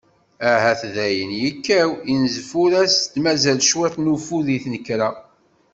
Ahat dayen yekkaw, yenzef ur as-d-mazal cwiṭ n ufud i tnekra.